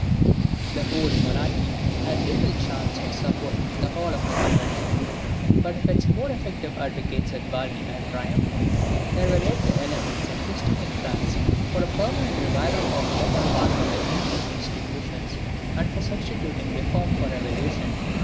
The old monarchy had little chance of support in the hall of the Convention; but if its more effective advocates at Valmy had triumphed, there were yet the elements existing in France for a permanent revival of the better part of the ancient institutions, and for substituting Reform for Revolution.